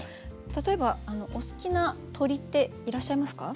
例えばお好きな鳥っていらっしゃいますか？